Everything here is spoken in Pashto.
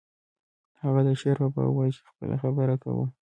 هغه د شعر په باب وایی چې خپله خبره کوم